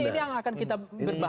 oke silahkan pak egy